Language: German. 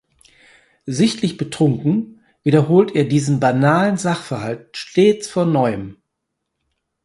Sichtlich betrunken wiederholt er diesen banalen Sachverhalt stets von Neuem.